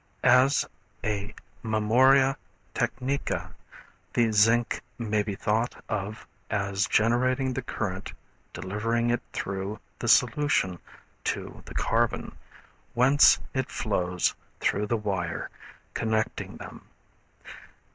As a memoria technica the zinc may be thought of as generating the current delivering it through the solution to the carbon, whence it flows through the wire connecting them.